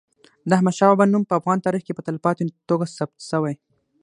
د احمد شاه بابا نوم په افغان تاریخ کي په تلپاتې توګه ثبت سوی.